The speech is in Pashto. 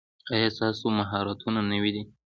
ایا ستاسو مهارتونه نوي دي؟